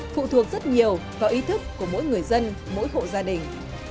phụ thuộc rất nhiều vào ý thức của mỗi người dân mỗi hộ gia đình